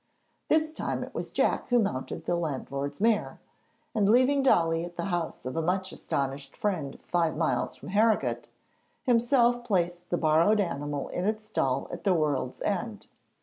This time it was Jack who mounted the landlord's mare, and leaving Dolly at the house of a much astonished friend five miles from Harrogate, himself placed the borrowed animal in its stall at the World's End.